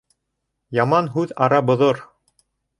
Яман һүҙ ара боҙор.